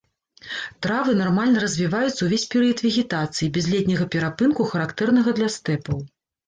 Травы нармальна развіваюцца ўвесь перыяд вегетацыі, без летняга перапынку, характэрнага для стэпаў.